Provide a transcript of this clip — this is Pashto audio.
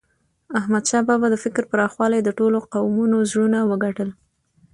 احمدشاه بابا د فکر پراخوالي د ټولو قومونو زړونه وګټل.